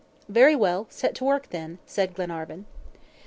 "Very well, set to work, then," said Glenarvan.